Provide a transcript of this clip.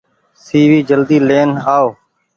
سي وي جلدي لين آئو۔